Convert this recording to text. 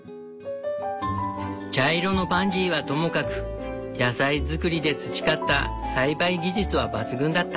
茶色のパンジーはともかく野菜作りで培った栽培技術は抜群だった。